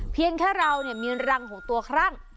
เพียงแค่เรามีรังของตัวครั่ง